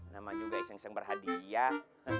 nama juga iseng iseng berhadiah